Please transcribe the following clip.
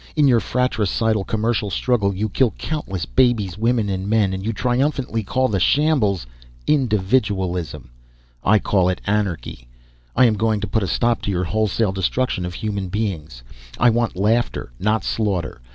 In your fratricidal commercial struggle you kill countless babes, women, and men, and you triumphantly call the shambles 'individualism.' I call it anarchy. I am going to put a stop to your wholesale destruction of human beings. I want laughter, not slaughter.